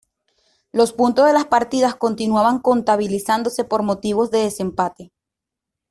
Los puntos de las partidas continuaban contabilizándose por motivos de desempate.